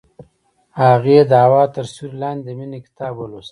هغې د هوا تر سیوري لاندې د مینې کتاب ولوست.